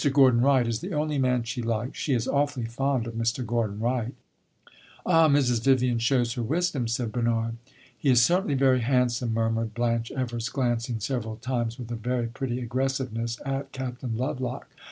Gordon Wright is the only man she likes. She is awfully fond of Mr. Gordon Wright." "Ah, Mrs. Vivian shows her wisdom!" said Bernard. "He is certainly very handsome," murmured Blanche Evers, glancing several times, with a very pretty aggressiveness, at Captain Lovelock.